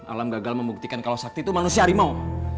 alam gagal membuktikan kalau sakti itu manusia harimau